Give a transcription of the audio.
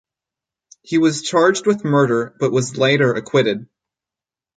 He was charged with murder but was later acquitted.